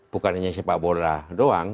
bukannya sepak bola doang